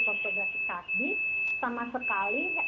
kontroversi tadi sama sekali